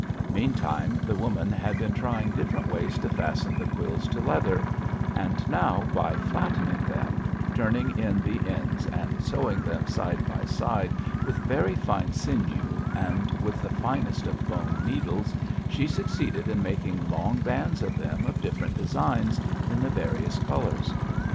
Meantime the woman had been trying different ways to fasten the quills to leather, and now, by flattening them, turning in the ends, and sewing them side by side with very fine sinew and with the finest of bone needles, she succeeded in making long bands of them of different designs in the various colors.